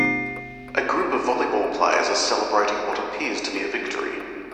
A group of volleyball players are celebrating what appears to be a victory.